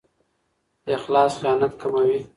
اخلاص خیانت کموي.